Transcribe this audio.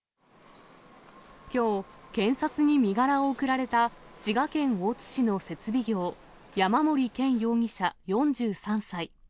きょう、検察に身柄を送られた滋賀県大津市の設備業、山森健容疑者４３歳。